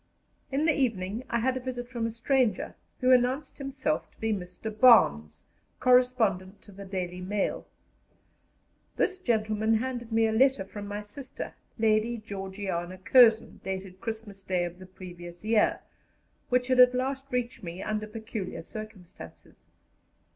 In the evening I had a visit from a stranger, who announced himself to be Mr. Barnes, correspondent to the Daily Mail. This gentleman handed me a letter from my sister, Lady Georgiana Curzon, dated Christmas Day of the previous year, which had at last reached me under peculiar circumstances.